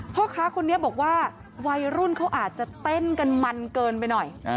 พ่อค้าคนนี้บอกว่าวัยรุ่นเขาอาจจะเต้นกันมันเกินไปหน่อย